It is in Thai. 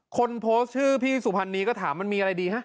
คนโพสต์ชื่อพี่สุพรรณีก็ถามมันมีอะไรดีฮะ